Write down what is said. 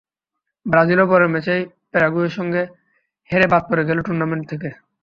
ব্রাজিলও পরের ম্যাচেই প্যারাগুয়ের সঙ্গে হেরে বাদ পড়ে গেল টুর্নামেন্ট থেকে।